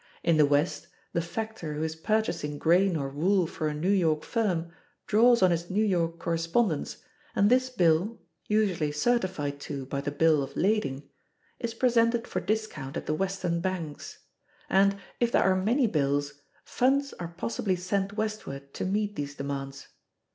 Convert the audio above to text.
In the West, the factor who is purchasing grain or wool for a New York firm draws on his New York correspondents, and this bill (usually certified to by the bill of lading) is presented for discount at the Western banks; and, if there are many bills, funds are possibly sent westward to meet these demands.